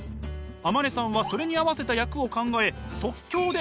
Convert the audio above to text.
天希さんはそれに合わせた役を考え即興で演技。